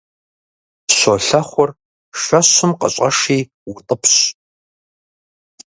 Щолэхъур шэщым къыщӀэши утӀыпщ.